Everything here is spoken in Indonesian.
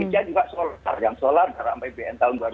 demikian juga soal harga solar